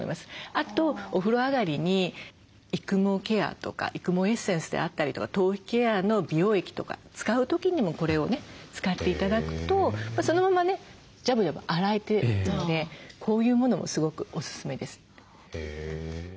あとお風呂上がりに育毛ケアとか育毛エッセンスであったりとか頭皮ケアの美容液とか使う時にもこれをね使って頂くとそのままねジャブジャブ洗えるのでこういうものもすごくおすすめです。